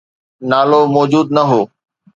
نالو موجود نه هو.